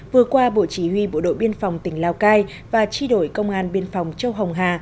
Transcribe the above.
vừa qua bộ chỉ huy bộ đội biên phòng tỉnh lào cai và tri đội công an biên phòng châu hồng hà